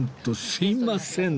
すみません。